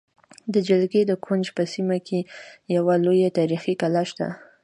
د جلگې د کونج په سیمه کې یوه لویه تاریخې کلا شته